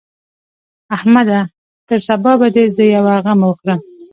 احمده! تر سبا به دې زه يوه غمه وخورم.